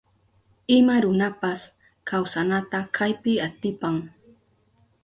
Ima runapas kawsanata kaypi atipan.